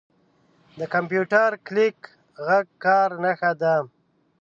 • د کمپیوټر کلیک ږغ د کار نښه ده.